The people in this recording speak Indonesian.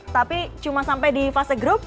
tapi cuma sampai di fase grup